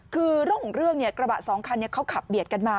คือเรื่องของเรื่องเนี่ยกระบะสองคันนี้เขาขับเบียดกันมา